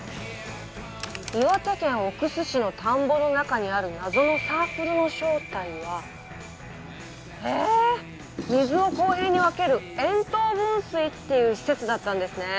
岩手県奥州市の田んぼの中にある謎のサークルの正体はえっ水を公平に分ける円筒分水っていう施設だったんですね